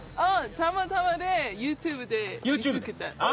たまたまＹｏｕＴｕｂｅで見つけた。